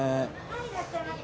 はいいらっしゃいませ。